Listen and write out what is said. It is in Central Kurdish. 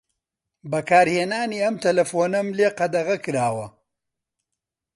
بەکارهێنانی ئەم تەلەفۆنەم لێ قەدەغە کراوە.